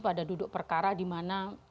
pada duduk perkara di mana